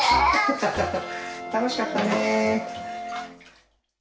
たのしかったね！